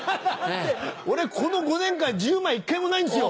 俺この５年間１０枚１回もないんですよ。